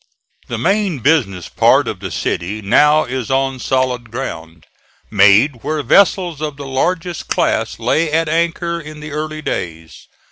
The main business part of the city now is on solid ground, made where vessels of the largest class lay at anchor in the early days.